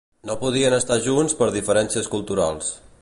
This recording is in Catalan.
No podien estar junts per diferències culturals.